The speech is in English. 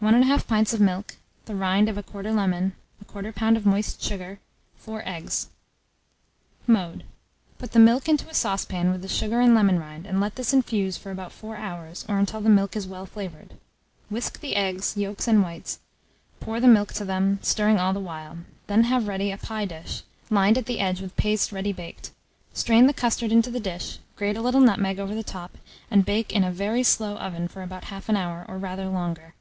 1 1/2 pint of milk, the rind of 1/4 lemon, 1/4 lb. of moist sugar, 4 eggs. Mode. Put the milk into a saucepan with the sugar and lemon rind, and let this infuse for about 4 hour, or until the milk is well flavoured; whisk the eggs, yolks and whites; pour the milk to them, stirring all the while; then have ready a pie dish, lined at the edge with paste ready baked; strain the custard into the dish, grate a little nutmeg over the top, and bake in a very slow oven for about 1/2 hour, or rather longer.